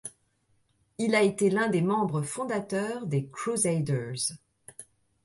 Il a été l'un des membres fondateurs des Crusaders.